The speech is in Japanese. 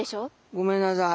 ごめんなさい。